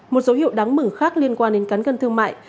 một dấu hiệu đáng mừng khác liên quan đến cán cân thương mại